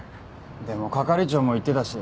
でも係長も言ってたし。